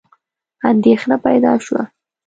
اندېښنه پیدا شوه.